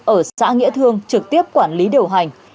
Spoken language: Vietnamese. ở xã nghĩa thương trực tiếp quản lý điều hành